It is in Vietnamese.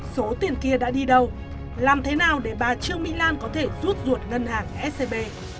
số tiền kia đã đi đâu làm thế nào để bà trương mỹ lan có thể rút ruột ngân hàng scb